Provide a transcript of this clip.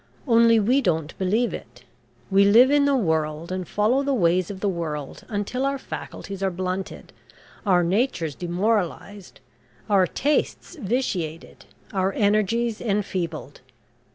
Only we don't believe it. We live in the world and follow the ways of the world, until our faculties are blunted, our natures demoralised, our tastes vitiated, our energies enfeebled.